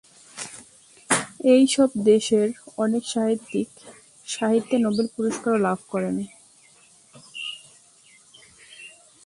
এই সব দেশের অনেক সাহিত্যিক সাহিত্যে নোবেল পুরস্কারও লাভ করেন।